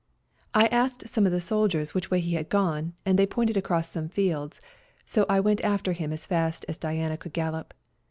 I asked some of the soldiers which way he had gone, and they pointed across some fields ; so I went after him as fast as Diana could gallop.